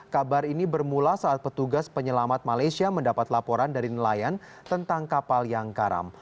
kabar ini bermula saat petugas penyelamat malaysia mendapat laporan dari nelayan tentang kapal yang karam